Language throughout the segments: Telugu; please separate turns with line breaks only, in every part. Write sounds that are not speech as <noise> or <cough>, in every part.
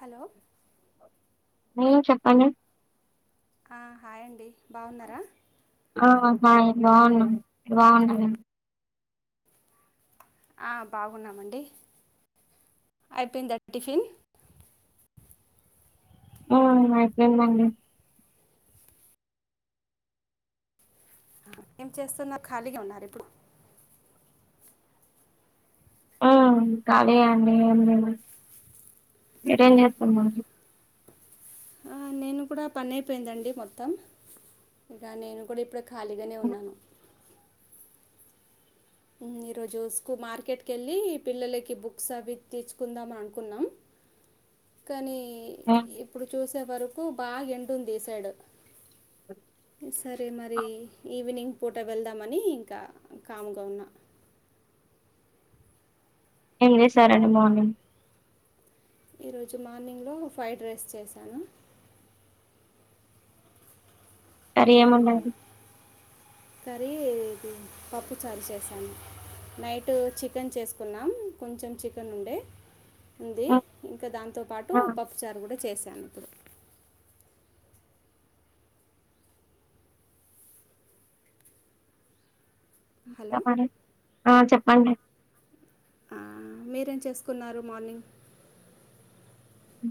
హలో
ఉమ్ చెప్పండి
హాయ్ అండి బాగున్నారా
హ బాగున్నాము మీరు బాగున్నారా
హ బాగున్నామండి అయిపోయింద టిఫిన్
ఆ ఐపోయింది అండి.
ఏం చేస్తున్నారు. ఖాళీగానే ఉన్నార ఇప్పుడు
ఆ కలిగే అండి ఏంలేదు
ఆహా నేను కూడా పని ఐపోయింది. అండి మొత్తం ఇగ నేను కూడా ఇప్పుడే ఖాళీగానే ఉన్నాను ఈరోజు స్కు మార్కెట్కెళ్ళి పిల్లలకి బుక్స్ అవి తీచ్చుకుందాం అనుకున్నాం కానీ
ఆ
ఇప్పుడు చూసే వరకు బాగా ఎండుంది ఈ సైడ్ సరే మరి ఈవినింగ్ పూట వెళ్దామని ఇంకా కామ్గా ఉన్నా
ఏం చేశారండి మార్నింగ్
ఈరోజు మార్నింగ్లో ఫ్రైడ్ రైస్ చేశాను
కర్రి ఏమి వండారు
కర్రీ పప్పుచారు చేశాను నైటు చికెన్ చేసుకున్నాం కొంచెం చికెన్ ఉండే ఉంది ఇంకా దాంతో పాటు
ఆ
పప్పుచారు కూడా చేసాను అప్పుడు
ఇంకా
హలో
మరి ఆ చెప్పండి
ఆ మీరేం చేసుకున్నారు మార్నింగ్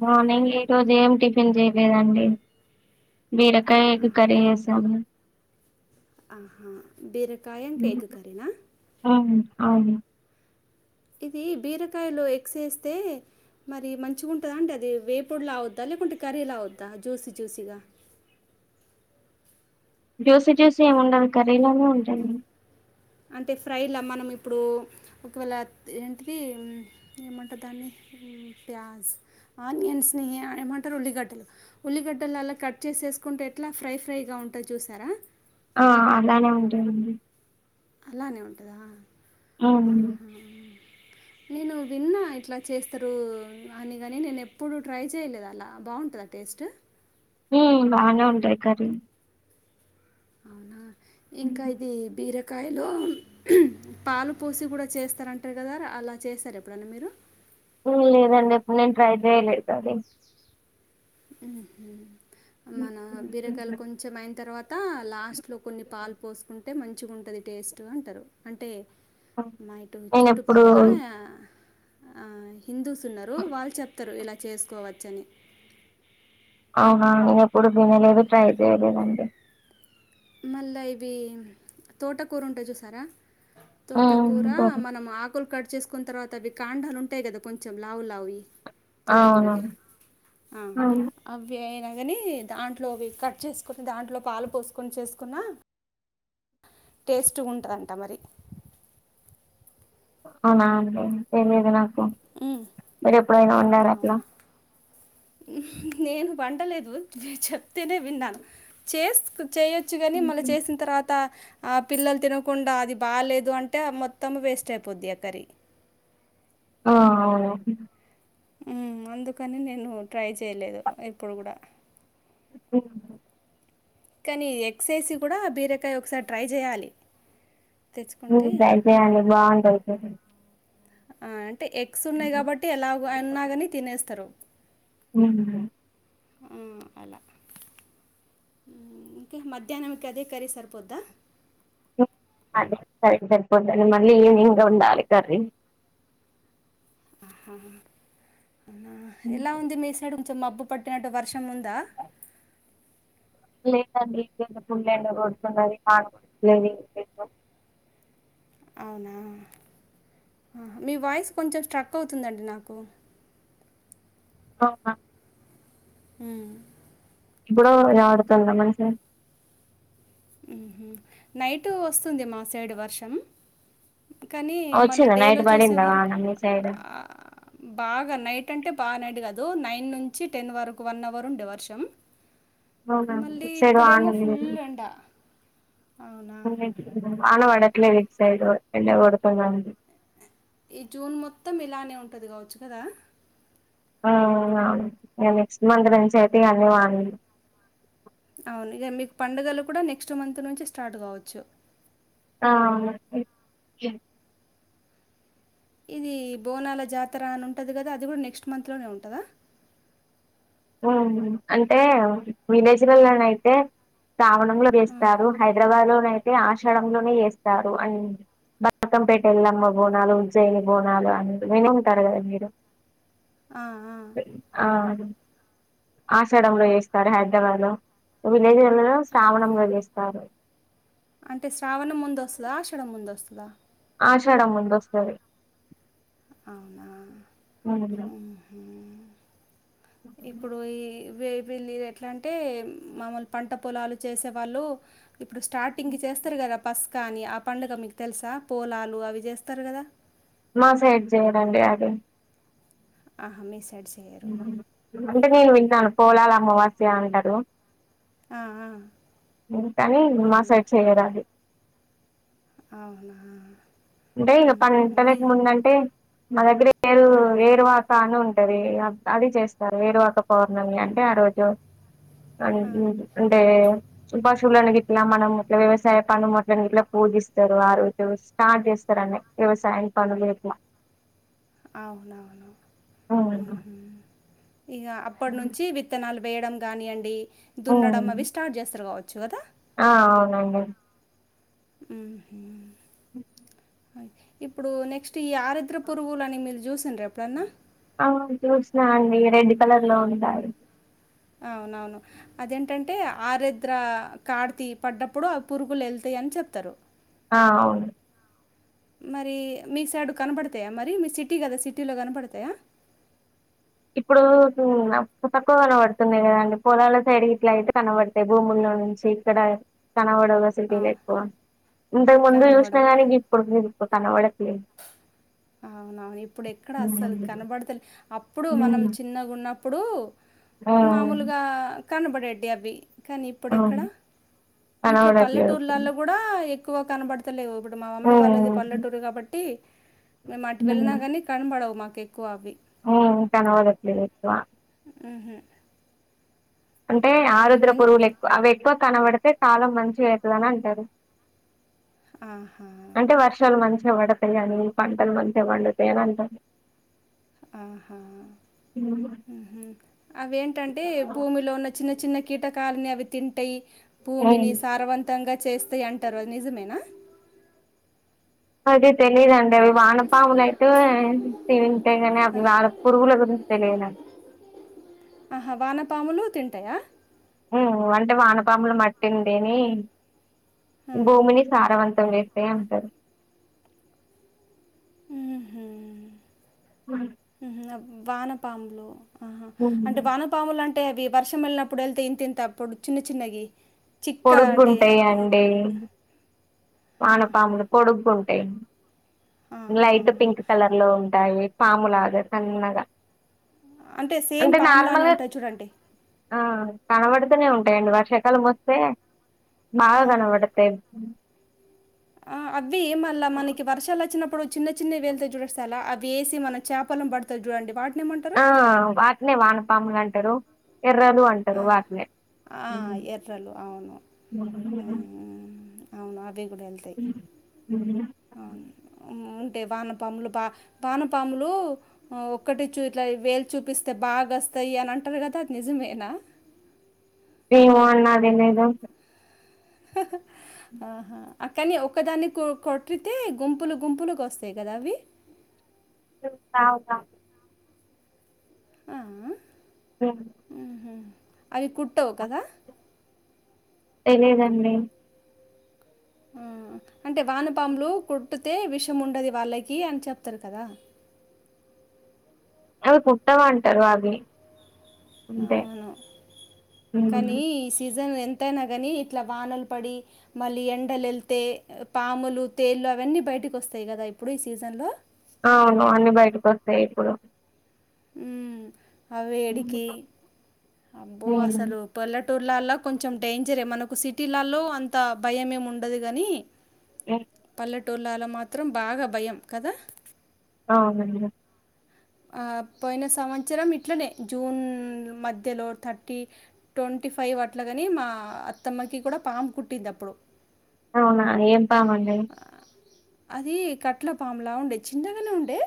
మార్నింగ్ ఈరోజు ఏం టిఫిన్ చేయలేదండి బిరకాయ
ఆహా
ఎగ్ కరి చేసాను
ఆహా బీరకాయ ఇంక ఎగ్ కర్రీన
ఆ అవును
ఇది బీరకాయలో ఎగ్స్ ఎస్తే మరి మంచిగా ఉంటదా అంటే అది వేపుడ్లా అవుద్దా లేకుంటే కర్రీలా అవుద్దా జ్యూసి జ్యూసిగా
జ్యూసి జ్యూసి ఏమి ఉండదు కర్రీలానే ఉంటాది
అంటే ఫ్రైలా మనం ఇప్పుడు ఒకవేళ ఏంటిది ఏమంటరు దాన్ని గ్యాస్ ఆనియన్స్ని అ ఎమంటారు ఉల్లిగడ్డళ్ళు ఉల్లిగడ్డలు అలా కట్ చేసేసుకుంటే ఎట్లా ఫ్రై ఫ్రైగా ఉంటది చూసారా
ఆ అలానే ఉంటుంది
అలానే ఉంటదా
మ్మ్
ఆహా నేను విన్నా ఇట్లా చేస్తరూ అని కాని నేను ఎప్పుడు ట్రై చేయలేదు అలా బావుంటద టేస్టు
మ్ బానే ఉంటాయ్ కర్రీ
అవునా ఇంకా ఇది బీర కాయలో పాలు పోసి కూడా చేస్తారంటారు కదా అలా చేసార ఎప్పుడన్న మీరు
మ్ లేదండి ఇప్పుడు నేను ట్రై చేయలేదది
మ్ హు మన బీరకాయలు కొంచెం అయిన తర్వాత లాస్ట్లో కొన్ని పాలు పోసి ఉంటే మంచిగా ఉంటది టేస్ట్ ట్టూ ఉంటరు అంటే మా ఇటు
నేను ఎప్పుడు
చుట్టుపక్కల ఆ హిందూస్ ఉన్నారు వాళ్ళు చెప్తరు ఇలా చేసుకోవచ్చని
అవునా నేను ఎప్పుడు వినలేదు ట్రై చేయలేదండి
మళ్ళా ఇవి తోటకూర ఉంటయ్ చూసారా తోటకూర
హ్మ్ తోటి
మనం ఆకులు కట్ చేస్ కున్ తర్వాత అవి కాండాలు ఉంటాయి గదా కొంచెం లావు లావుయి తోటకూరకె
అవునండి
ఆ అవి అయినా గనీ దాంట్లోవి కట్ చేసుకొని దాంట్లో పాలు పోసుకొని చేసుకున్న టేస్ట్గా ఉంటదంట మరి
అవునా అండి తెలియదు నాకు
ఉమ్,
మీరు ఎప్పుడైనా వొండార అట్లా
ఉహ్ నేను వంటలేదు జె చెప్తేనే విన్నాను చేస్కు చేయొచ్చు గాని మళ్ళి చేసిన్ తర్వాత ఆ పిల్లల్ తినకుండా అది బాలేదు అంటే అ మొత్తం వేస్ట్ అయిపోద్ది అ కర్రీ
ఆ అవును
ఉమ్ అందుకని నేను ట్రై చేయలేదు ఇప్పుడు గుడా
ఇప్పు ఉన్ను
కనీ ఎగ్స్ ఏసీ కూడా బీరకాయ్ ఒకసార్ ట్రై జేయాలి
నువ్ ట్రై చేయండి బావుంటది కర్రీ
ఆ అంటే ఎగ్స్ ఉన్నాయి కాబట్టి ఎలాగూ అన్నా గాని తినేస్తరు
ఊ మ్
అ అలా ఊమ్ ఇంక మధ్యాహ్నంకి అదే కరి సరిపోద్ద
ఉ అదే సైడ్ సరిపోద్దండి మళ్ళీ ఈవినింగ్ వొండాలి కర్రీ
అహ్హ్హ్ హ ఎలా ఉంది మీ సైడ్ కొంచెం మబ్బు పట్టినట్టు వర్షం ఉందా
లేదండి గెందో పుల్ ఎండ కొడుతున్నాది <unintelligible>
అవునా అహ మీ వాయిస్ కొంచెం స్ట్రక్ అవుతుందండి నాకు
అవ్ అ
ఊ
ఇప్పుడు వినబడుతుందా మంచిగ
ఉహు నైటు వొస్తుంది మా సైడు వర్షం కనీ మళ్ళ
వచ్చిందా
డేలో
నైట్ పడిందా
చూసేవారు
వాన మీ సైడ్
ఆ బాగా నైట్ అంటే బా నైట్ గదు నైన్ నుంచి టెన్ వరకు వన్ అవర్ ఉండే వర్షం
అవునా
మళ్ళీ ఇప్పుడేమో ఫుల్ ఎండ అవునా
ఉల్లేట్లుంది వాన వడట్లేదు ఇట్ సైడ్ ఎండ కొడుతుందండి
ఈ జూన్ మొత్తం ఇలానే ఉంటది గావొచ్చు కదా
ఆ అవ్ను ఇగ నెక్స్ట్ మంత్ నుంచి అయితే ఇగ అన్ని వాన్
అవును ఇగ మీకు పండుగలు కూడా నెక్స్ట్ మంత్ నుంచి స్టార్ట్ కావొచ్చు
ఆ మసీ
ఇది బోనాల జాతర అని ఉంటది గదా అది గూడ్ నెక్స్ట్ మంత్ లోనే ఉంటదా
ఊఉ అంటే విలేజ్ లల్ల నయితే శ్రావణం లో
ఆ!
జేస్తారు హైదరాబాద్ లో నయితే ఆషాడం లోనే చేస్తారు అన్ బత్ కమ్ పేట్ ఎల్లమ్మ బోనాలు ఉజ్జయిని బోనాలు అనీ విని ఉంటారు గదా మీరు
ఆ ఆ అవున
ఆషాడంలో చేస్తారు హైదరాబాద్ లో విలేజ్ లల్లో నేం శ్రావణంలో చేస్తారు
అంటే శ్రావణం ముంద్ వొస్తదా ఆషాడం ముంద్ వొస్తదా
ఆషాడం ముందొస్తది
అ అవునా ఉహు ఇప్పుడు ఈ వె వెళ్ళీ దెట్లంటే మామోల్ పంట పొలాలు చేసే వాళ్ళు ఇప్పుడు స్టార్టింగ్కి చేస్తారు కదా పస్కా అని ఆ పండుగ మీకు తెలుసా పోలాలు అవి చేస్తారు గదా
మా సైడ్ జేయ్యరండి అవి
ఆహ మీ సైడ్ స్
అంటే నేను విన్నాను పోలాల్ అమావాస్య అంటరు
ఆ ఆ
వింతని మా
అవునా
సైడ్ చేయర్ ఆది
అవునా
అంటే ఇక
మ్మ్హ.
పంట
మీ
వెట్ ముందంటే మా దగ్గర ఏరు
ఆ,
ఏరు వాక్ కా అని ఉంటది అ అది చేస్తారు ఏరువాక పౌర్ణమి అంటే ఆ రోజు ఆన్
ఆ,
అంటే పశువులను గిట్ల మనం ఇట్ల వ్యవసాయ పనుముట్ల ఇట్ల పూజిస్తరు ఆ రోజు స్టార్ట్ చేస్ రు అని వ్యవసాయం పనులు గిట్ల
అవునా ఉహు ఇగ అప్పటి నుంచి విత్తనాలు వేయడం గాని అండి దున్నడం అవి స్టార్ట్ చేస్తరు కావచ్చు గదా
ఆ అవును అండి
ఉహు ఇప్పుడు నెక్స్ట్ ఈ ఆరిద్ర పురుగులని మీరు చూసిండ్ర ఎప్పుడన్నా
అవును చూసినా అండి రెడ్ కలర్ లో ఉంటాయి
అవునవును అదేంటి అంటే ఆరెద్ర కార్తి పడ్డప్పుడు అవి పురుగులు ఎల్తయ్ అని చెప్తరు
ఆ అవును
మరి మీ సైడ్ కనపడతయా మరి మీ సిటీ గదా సిటీలో కనపడతయా
ఇప్పుడు పు తక్కువ కనబడుతున్నయి గదా అండి పొలాల సైడ్ గిట్లా అయితే కనబడు భూముల్లోనుంచి ఇక్కడ కనబడవు వొస్ సీడీలు
అవ్
ఎక్కవ ఇంతకు ముందు చూష్ణ
కనబడవు.
గాని గిప్పుడు ఎక్కువ కనబడట్లేవ్
అవునవును ఇప్పుడు ఎక్కడ అస్సలు కనబడతలే అప్పుడు మనం చిన్నగ గున్నప్పుడు
ఆ
మామూలుగా కనబడెటియి అవి కానీ ఇప్పుడు ఎక్కడ
అవును
ఇప్పుడు
కనబడట్లేదు
పల్లెటూర్లలో గుడా ఎక్కువ కనబడు లేవు ఇప్పుడు మా మమ్మీ వాళ్ళది పల్లెటూరు కాబట్టి మేము అటు వెళ్ళిన గాని ని కనబడవు మాకు ఎక్కువ అవి
ఉ కనపడట్లేవు ఎక్కువ
ఉహు
అంటే ఆరుద్ర
మం
పురుగులు ఎక్కువ అవి ఎక్కువ కనబడితే కాలం మంచిగయితది అని అంటరు
ఆహా
ర్షాలు మంచిగ పడతయి అని పంటలు మంచిగ పండుతయి అని అంటరు
ఆహా
ఉమ్.
ఉహు అవేంటి అంటే భూమిలో ఉన్న చిన్న చిన్న కీటకాలని అవి తింటయి భూమిని సారవంతంగా చేస్తాయి అంట్ రు అది నిజమేనా
అదే తెలీదు అండి అవి వానపాములు అయితే తింటయి గాని
ఆ,
అవి వాన పురుగుల గురించి తెలియదు నాకు
ఆహా వానపాములు తింటయా
ఉ అంటే వానపాములు మట్టినీ తిని
ఆ.
భూమిని సారవంతం చేస్తయ్ అంటరు
ఉహు ఉహు వానపాములు ఆహ అంటే
ఉమ్.
వాన పాములు అంటే అవి వర్షం వెళ్ళినప్పుడు ఎల్తయ్ ఇంతింత అప్పుడు చిన్న చిన్నయి
పొడుగ్గ ఉంటయి అండి
ఆహా.
వానపాములు పొడుగ్గుంటయి
ఆ, ఆ,
లైట్
ఆ.
పింక్ కలర్ లో ఉంటాయి పాముల లాగా సన్నగా
అంటే సేమ్ పామ్ లానే
నార్మల్ గా
ఉంటాయి చూడండి
ఆ కనబడుతూనే ఉంటాయండి వర్షాకాలం వస్తే బాగా
ఆ.
కనపడతాయి
ఆ అవి మళ్ళ మనకి వర్షాలు వచ్చినప్పుడు చిన్న చిన్నవి వెళ్తయి చూడు సలా అవి వేసి మన చేపల పడు తై జూడండి వాట్
ఆ వాట్నే వానపాములంటరు ఎర్రలు
ఆ!
అంటారూ తరువాతనే
ఆ!
ఉమ్
ఎర్రలు అవును.
ఉహు
అవునా అది నీకు తెలుసా
ఉమ్ ఉన్నరా
అవును ఉంటె వానపాములు పా వానపాములు అ ఒక్కటి చూ ఇట్లా వేలు చూపిస్తే బాగ వస్తాయి అని అంటారు కదా అది నిజమేనా
ఏమో అది నాకు తెలియదు
హహ ఆహా అకాని ఒకదాన్ని కొ కొట్టితే గుంపులు గుంపులు గా వస్తాయి కదా అవి
<unintelligible> తాగుతా
ఆ ఆ
దేన్ని
ఉమ్ హా అవి కుట్టవు కదా
తెలిదండి
హు అంటే వానపాములు కుట్టితే విషముండదు వాళ్ళకి అని చెప్తారు కదా
అవి కుట్టవంటారు అవి అంతే
అవును కానీ ఈ సీజన్ ఎం ఎంతైనా గానీ ఇట్లా వానలు పడి మళ్ళీ ఎండలు ఎళ్తే పాములు తేళ్ళు అవన్నీ బైటికొస్తాయి కదా ఇప్పుడు ఈ సీజన్లో
అవునవును అన్ని బైటకొస్తాయి ఇప్పుడు
ఉమ్ ఆ వేడికి అబ్బో
ఉమ్.
అస్సలు పల్లెటూర్లల్ల కొంచెం డేంజరే మనకు సిటీలల్లో అంత భయమేముండదు కానీ <inaudible>
ఎర్ <inaudible>
పల్లెటూర్లలో మాత్రం బాగా భయం కదా
అవునండి
ఆ పోయిన సంవత్సరం ఇట్లనే జూన్ మ ధ్యలో థర్టీ ట్వంటీ ఫైవ్ అట్లా కని మా అత్తమ్మకి కూడా పాము కుట్టిందప్పుడు
అవునా అండి ఏం పామండి
అదీ కట్లపాములా ఉండే చిన్నగనే ఉండే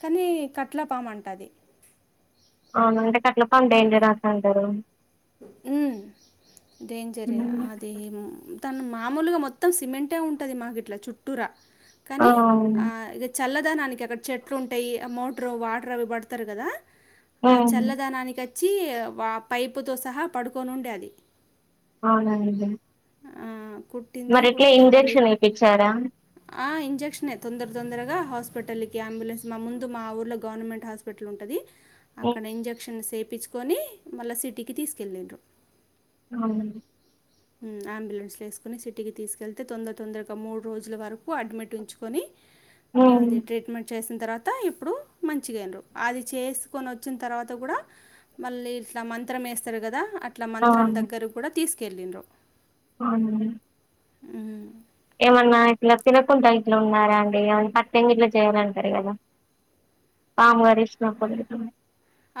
కానీ కట్ల పాము అంటా రూ
అవునా కట్లా పాము డేంజర్ అంటారు కదా
ఉమ్ డేంజరే
హ్మ్.
ఇగ ఏమో తను మామూలుగా మొత్తం సిమెంటే ఉంటాది మాకు ఇట్లా చుట్టూర
ఆ
కానీ
అవును.
ఇగ చల్లదనానికి అక్కడ చెట్లు ఉంటాయి మోటార్ వాటరు అవి పడతారు కదా ఆ
హ్మ్
చల్లదనానికి వచ్చి పైపుతో సహా పడుకొని ఉండే అది
అవునా అండి
ఆ
మరెట్లా ఇంజెక్షన్ వేపించారా
ఆ ఇంజెక్షన్ ఏ తొందర తొందరగా హాస్పిటల్కి అంబులెన్స్ మా ముందు మా ఊర్లో గవర్నమెంట్ హాస్పిటల్ పట్లుంటది
హ్మ్.
అక్కడ ఇంజక్షన్ సేపించ్కొని మళ్ళా సిటీకి తీస్కెళ్ళింరు
నార్మల్గ
ఉ అంబులెన్స్ల ఏస్కొని సిటీకి తీస్కెళ్తే తొందర తొందరగా మూడు రోజుల వరు కు అడ్మిట్ ఉంచుకొని
హ్మ్
అది ట్రీట్మెంట్ చేసి తర్వాత ఇప్పుడు మంచిగైంరు అది చేస్కొనొచ్చిన తర్వాత కూడా మళ్ళీ ఇట్లా మంత్రం ఏస్తరు కదా అట్లా
ఆ
మంత్రం దగ్గర్కూడా తీస్కెళ్ళింరు
ఔనండి
ఉ
ఏమన్నా ఇట్లా తినకుండా ఇట్లా ఉన్నారా అండి ఏమ పత్తెంగిట్లా చేయాలంటరు కదా పాము కరిష్నప్పుడెటు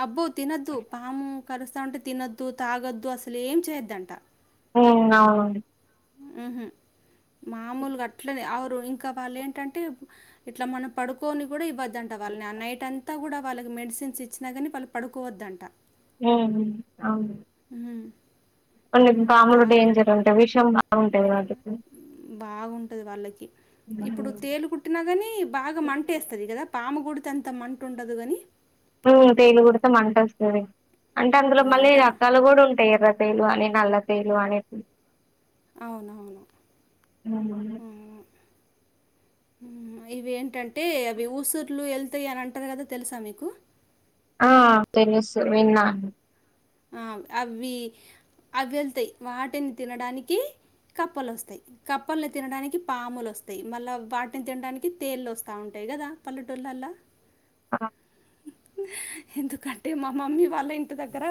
అబ్బో తినద్దు పాము కరుస్తాంటే తినొద్దు తాగొద్దు అస్సలేం చేయోద్దంట
ఇంగౌనండి
ఉహు మామూల్గా అట్లనే ఆరొ ఇం ఇంకా వాలు ఏంటంటే ఇట్లా మనం పడుకోని కూడా ఇవద్దంట వాళ్ళని ఆ నైట్ అంతా కూడా వాళ్ళకి మెడిసిన్స్ ఇచ్చినా కానీ వాళ్ళు పడుకోవద్దంట
ఓహో ఔన
ఆ
కొన్ని పాములు డేంజర్ ఉంటై విషం బాగుంటది వాటికి
బాగుంటది వాళ్ళకి ఇప్పుడు తేలుకు కుట్టినా కానీ బాగా మంటేస్తది కదా పాము గుడితే అంత మంటుండదు కాని
ఉ తేలు కుడితే మంటొస్తది అంటే అందులో మళ్ళీ
మంట
రకాలు కూడా ఉంటై ఎర్ర తేలు అని నల్ల తేలు అని
అవునవును
ఉమ్.
ఔను ఇవేంటంటే అవి ఊసుర్లు ఎళ్తై అని అంటారు కదా తెలుసా మీకు
ఆ తెలుసు విన్నాను
అ అవ్వి వెళ్తై వాటిని తినడానికి కప్పలొస్తై కప్పల్ని తినడానికి పాములొస్తాయి మళ్ళా వాటిని తినడానికి తేళ్ళొస్తా ఉంటై కదా పల్లెటూళ్ళల్ల
అ
ఎందుకంటే మా మమ్మీ వాళ్ళ ఇంటి దగ్గర